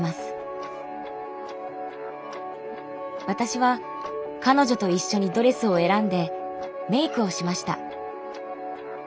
私は彼女と一緒にドレスを選んでメイクをしました。